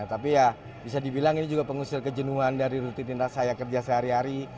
tapi ya bisa dibilang ini juga pengusir kejenuhan dari rutinitas saya kerja sehari hari